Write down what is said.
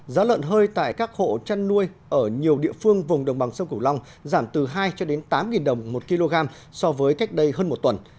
giá lợn hơi tại các hộ chăn nuôi ở nhiều địa phương vùng đồng bằng sông cửu long giảm từ hai cho đến tám đồng một kg so với cách đây hơn một tuần